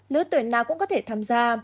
nếu tuổi nào cũng có thể tham gia